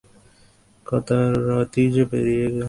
কত রােতই যে হইয়া গেল!